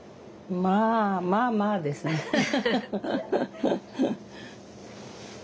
まあまあまあですねフフフフ。